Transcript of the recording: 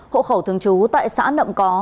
hộ khẩu thường trú tại xã nậm có